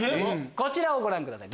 こちらをご覧ください。